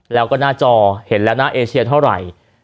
แล้วก็หน้าจอเห็นแล้วนะเอเชียเท่าไหร่